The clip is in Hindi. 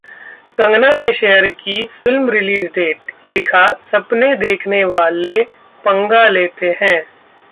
कंगना ने शेयर की फिल्म रिलीज डेट, लिखा - सपने देखने वाले पंगा लेते हैं